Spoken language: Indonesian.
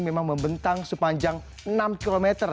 memang membentang sepanjang enam km